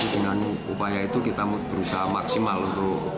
dengan upaya itu kita berusaha maksimal untuk